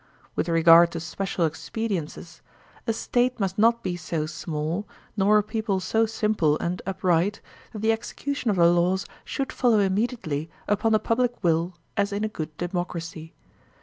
With regard to special expediences, a State must not be so small, nor a people so simple and upright, that the execution of the laws should follow immediately upon the public will as in a good democracy.